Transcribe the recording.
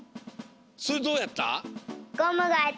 それどうやった？